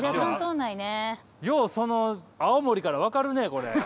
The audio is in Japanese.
ようその青森からわかるねこれ。